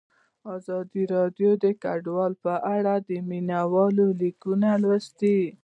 ازادي راډیو د کډوال په اړه د مینه والو لیکونه لوستي.